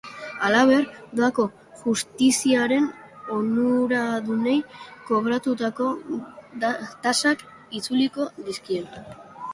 Halaber, doako justiziaren onuradunei kobratutako tasak itzuliko dizkie.